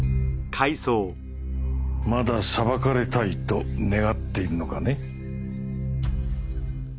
まだ裁かれたいと願っているのかね？